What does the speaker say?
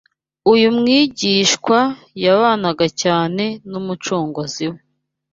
Uyu mwigishwa yabanaga cyane n’Umucunguzi we